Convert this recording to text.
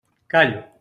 Callo.